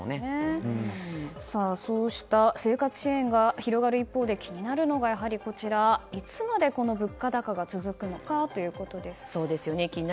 そうした生活支援が広がる一方で気になるのがやはりいつまでこの物価高が続くかです。